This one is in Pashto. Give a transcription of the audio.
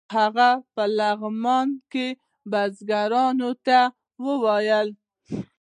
هغه په لغمان کې بزګرانو ته ویل.